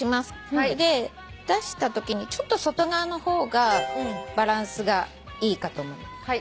出したときにちょっと外側の方がバランスがいいかと。